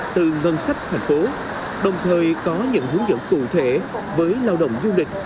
từ ngân sách thành phố đồng thời có những hướng dẫn cụ thể với lao động du lịch